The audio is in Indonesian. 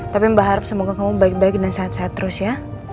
tapi mbak harap semoga kamu baik baik dan sehat sehat terus ya